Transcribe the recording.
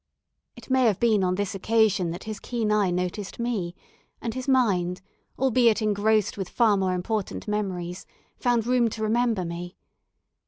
It may have been on this occasion that his keen eye noticed me, and his mind, albeit engrossed with far more important memories, found room to remember me.